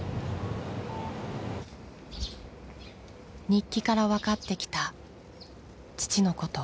日記からわかってきた父のこと。